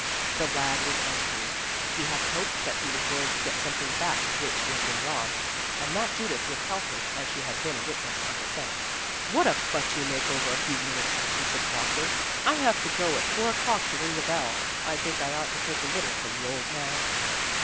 The lad was angry. He had hoped that he was going to get something back of which he had been robbed, and that Judith would help him as she had been a witness of the theft. "Oh, what a fuss you make over a few minutes," he said crossly; "I have to go at four o'clock to ring the bell. I think I ought to take a little from the old man."